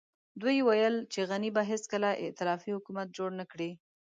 دوی ويل چې غني به هېڅکله ائتلافي حکومت جوړ نه کړي.